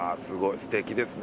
すてきですね。